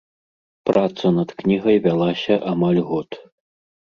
Праца над кнігай вялася амаль год.